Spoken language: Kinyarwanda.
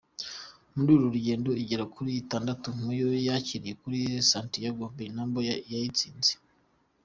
Muri uru rugendo igera kuri itandatu mu yo yakiriye kuri Santiago Bernabeu yayitsinze.